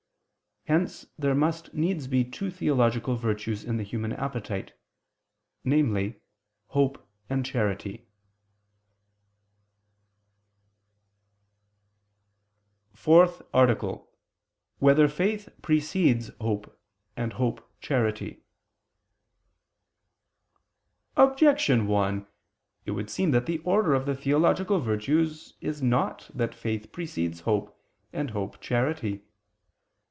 Hence there must needs be two theological virtues in the human appetite, namely, hope and charity. ________________________ FOURTH ARTICLE [I II, Q. 62, Art. 4] Whether Faith Precedes Hope, and Hope Charity? Objection 1: It would seem that the order of the theological virtues is not that faith precedes hope, and hope charity.